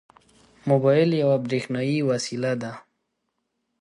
موبایل یوه برېښنایي وسیله ده.